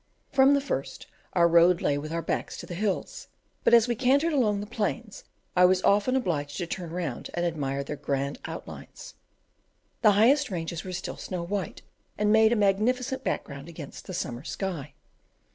From the first our road lay with our backs to the hills; but as we cantered along the plains, I was often obliged to turn round and admire their grand outlines. The highest ranges were still snow white, and made a magnificent background against the summer sky.